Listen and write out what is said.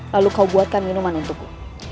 lalu kau buatkan minuman untukku